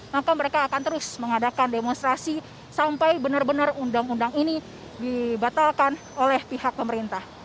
maka mereka akan terus mengadakan demonstrasi sampai benar benar undang undang ini dibatalkan oleh pihak pemerintah